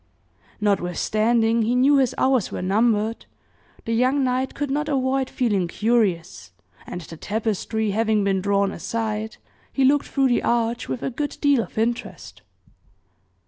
Notwithstanding he knew his hours were numbered, the young knight could not avoid feeling curious, and the tapestry having been drawn aside, he looked through the arch with a good deal of interest.